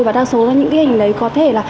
và đa số là những cái hình đấy có thể là